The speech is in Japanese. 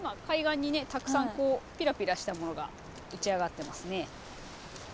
今海岸にねたくさんこうピラピラしたものが打ち上がってますね。